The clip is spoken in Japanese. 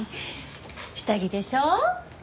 下着でしょ。